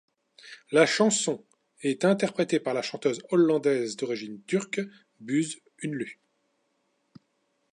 La chanson est interprétée par la chanteuse hollandaise d'origine turque Buse Ünlü.